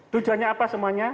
tujuannya apa semuanya